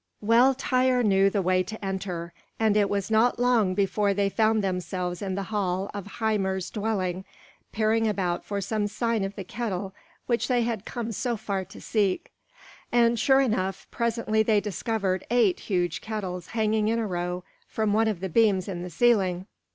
Well Tŷr knew the way to enter, and it was not long before they found themselves in the hall of Hymir's dwelling, peering about for some sign of the kettle which they had come so far to seek; and sure enough, presently they discovered eight huge kettles hanging in a row from one of the beams in the ceiling.